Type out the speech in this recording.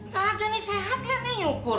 tak gini sehat lihat nih nyukur